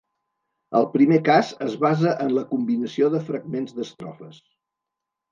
El primer cas es basa en la combinació de fragments d'estrofes.